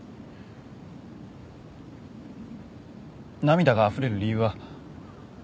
涙があふれる理由は。